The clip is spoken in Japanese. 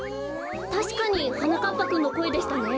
たしかにはなかっぱくんのこえでしたね。